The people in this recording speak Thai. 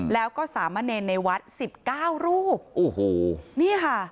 แล้วก็สามเณรในวัดสิบเก้ารูปโอ้โหนี่ค่ะ